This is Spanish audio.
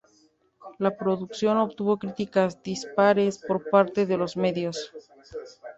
La producción obtuvo críticas dispares por parte de los medios.